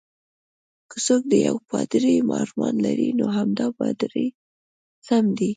که څوک د یو پادري ارمان لري، نو همدا پادري سم دی.